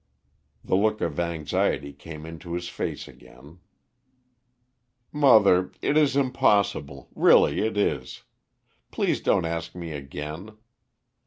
The look of anxiety came into his face again. "Mother, it is impossible, really it is. Please don't ask me again.